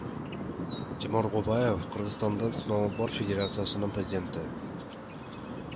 Тимур Губаев — Кыргызстандын сноуборд федерациясынын президенти.